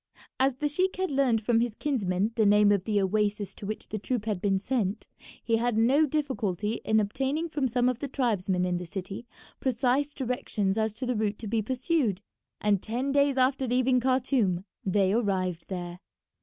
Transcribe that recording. As the sheik had learned from his kinsman the name of the oasis to which the troop had been sent, he had no difficulty in obtaining from some of the tribesmen in the city precise directions as to the route to be pursued, and ten days after leaving Khartoum they arrived there.